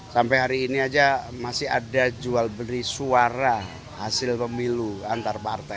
sampai hari ini saja masih ada jual beli suara hasil pemilu antar partai